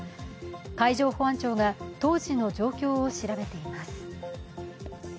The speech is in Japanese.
海上保安庁が当時の状況を調べています。